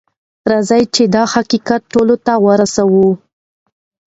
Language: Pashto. راځئ چې دا حقیقت ټولو ته ورسوو.